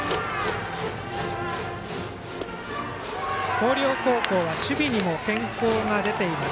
広陵高校は守備にも変更が出ています。